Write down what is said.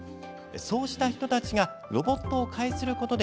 そうした人たちがロボットを介することで